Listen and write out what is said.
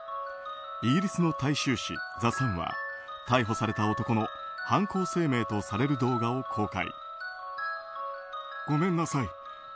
イギリスの大衆紙ザ・サンは逮捕された男の犯行声明とされる動画を公開。